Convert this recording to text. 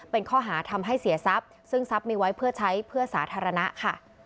เป็นข้อหาทำให้เสียทรัพย์ซึ่งทรัพย์มีไว้เพื่อใช้เพื่อสาธารณะค่ะ